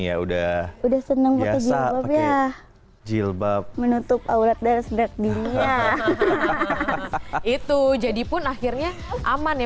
ya udah udah seneng pakai jilbab ya jilbab menutup aurat darah sederhana dirinya itu jadi pun akhirnya aman ya